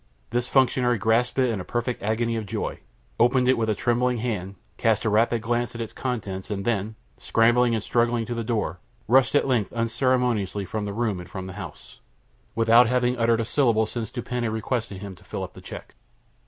This functionary grasped it in a perfect agony of joy, opened it with a trembling hand, cast a rapid glance at its contents, and then, scrambling and struggling to the door, rushed at length unceremoniously from the room and from the house, without having uttered a syllable since Dupin had requested him to fill up the check.